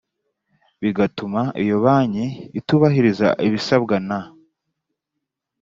bigatuma iyo banki itubahiriza ibisabwa na